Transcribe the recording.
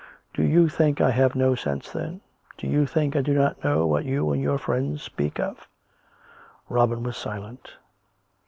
" Do you think I have no sense, then ? Do you think I do not know what you and your friends speak of.'' " Robin was silent.